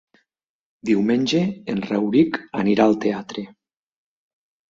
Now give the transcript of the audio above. Diumenge en Rauric anirà al teatre.